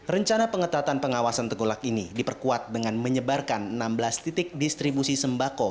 rencana pengetatan pengawasan tegolak ini diperkuat dengan menyebarkan enam belas titik distribusi sembako